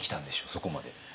そこまで。